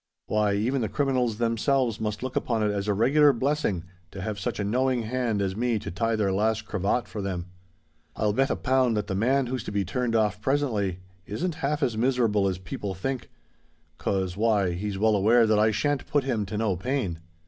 Why—even the criminals themselves must look upon it as a regular blessing to have such a knowing hand as me to tie their last cravat for them. I'd bet a pound that the man who's to be turned off presently, isn't half as miserable as people think—'cos why, he's well aware that I shan't put him to no pain."